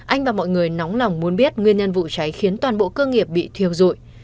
anh và mọi người nóng lòng muốn biết nguyên nhân vụ cháy khiến toàn bộ cơ nghiệp bị thiêu dụi